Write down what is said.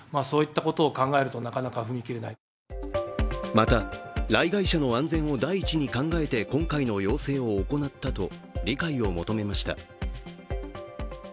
また、来街者の安全を第一に考えて今回の要請を行ったと理解を求めました。